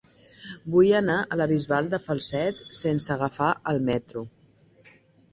Vull anar a la Bisbal de Falset sense agafar el metro.